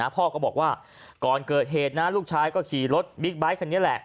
พ่อก็บอกว่าก่อนเกิดเหตุนะลูกชายก็ขี่รถบิ๊กไบท์คันนี้แหละ